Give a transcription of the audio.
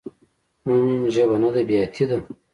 حم ژبه نده بياتي ده.